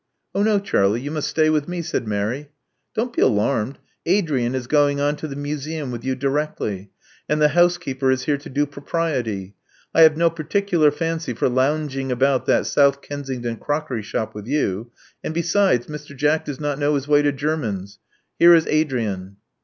Oh, no, Charlie: you must stay with me," said Mary. *' Don't be alarmed: Adrian is going on to the Museimi with you directly; and the housekeeper is here to do propriety. I have no particular fancy for lounging about that South Kensington crockery shop with you ; and, besides, Mr. Jack does not know his way to Jermyn's. Here is Adrian."